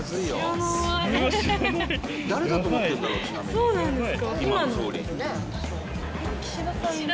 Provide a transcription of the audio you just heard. そうなんですか？